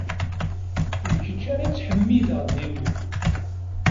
D kečč ara ttḥemmideɣ dima.